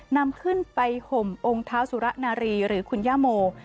นำขึ้นไปห่มองค์เท้าสุระนารีหรือคุณย่าโม